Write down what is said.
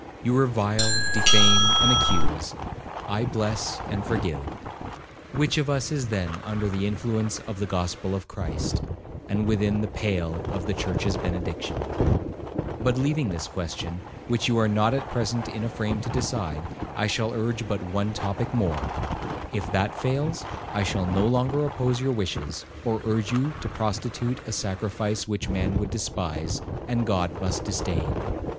You revile, defame, and accuse,—I bless and forgive; which of us is then under the influence of the gospel of Christ, and within the pale of the church's benediction? But leaving this question, which you are not at present in a frame to decide, I shall urge but one topic more; if that fails, I shall no longer oppose your wishes, or urge you to prostitute a sacrifice which man would despise, and God must disdain.